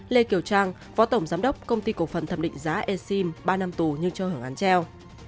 lê kiều trang phó tổng giám đốc công ty cổ phần thẩm định giá esim ba năm tù nhưng chưa hưởng án treo